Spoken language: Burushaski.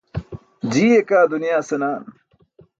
Jiiye kaa dunyaa senaan.